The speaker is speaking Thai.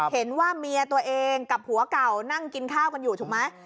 เห็นว่าเมียตัวเองกับผัวเก่านั่งกินข้าวกันอยู่ถูกไหม